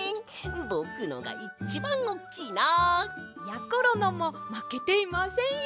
ぼくのがいちばんおっきいな！やころのもまけていませんよ。